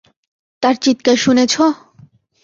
তার চিৎকার শুনেছো?